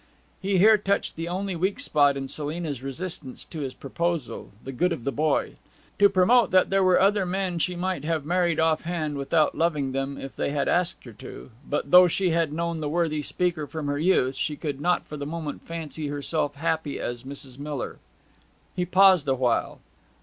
He here touched the only weak spot in Selina's resistance to his proposal the good of the boy. To promote that there were other men she might have married offhand without loving them if they had asked her to; but though she had known the worthy speaker from her youth, she could not for the moment fancy herself happy as Mrs. Miller. He paused awhile.